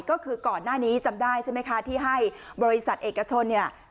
ก็คือก่อนหน้านี้จำได้ใช่ไหมคะที่ให้บริษัทเอกชนเนี่ย